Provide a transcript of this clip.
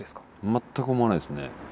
全く思わないですね。